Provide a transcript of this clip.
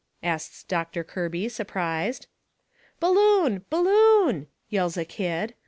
asts Doctor Kirby, surprised. "Balloon! Balloon!" yells a kid.